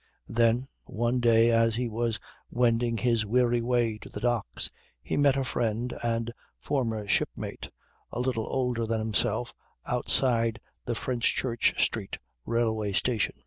Then one day, as he was wending his weary way to the docks, he met a friend and former shipmate a little older than himself outside the Fenchurch Street Railway Station.